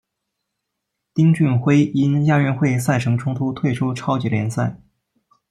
丁俊晖因亚运会赛程冲突退出超级联赛。